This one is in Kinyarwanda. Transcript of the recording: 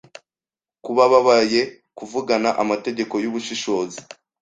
kubababaye Kuvugana amategeko yubushishozi